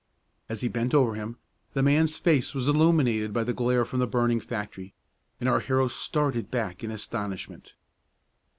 As he bent over him, the man's face was illuminated by the glare from the burning factory, and our hero started back in astonishment.